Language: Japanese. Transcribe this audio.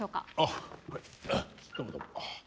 どうもどうも。